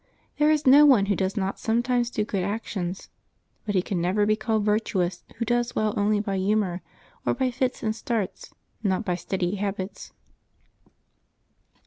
There is no one who does not sometimes do good actions ; but he can never be called virtuous who does well only by humor, or by fits and starts, not by steady habits.